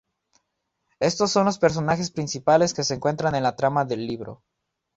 Estos son los personajes principales que se encuentran en la trama del libro.